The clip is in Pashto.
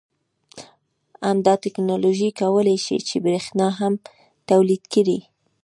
همدا تکنالوژي کولای شي چې بریښنا هم تولید کړي